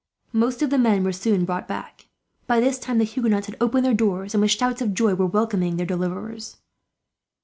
Most of the men were soon brought back. By this time the Huguenots had opened their doors and, with shouts of joy, were welcoming their deliverers.